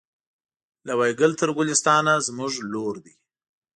له وایګل تر ګلستانه زموږ لور دی